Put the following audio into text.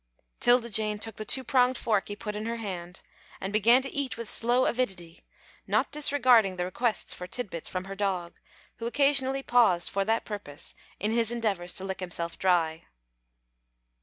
'Tilda Jane took the two pronged fork he put in her hand, and began to eat with slow avidity, not disregarding the requests for titbits from her dog, who occasionally paused for that purpose in his endeavours to lick himself dry.